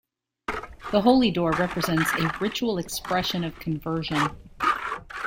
The Holy Door represents "a ritual expression of conversion".